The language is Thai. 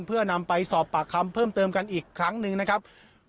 เพื่อนำไปสอบปากคำเพิ่มเติมกันอีกครั้งหนึ่งนะครับ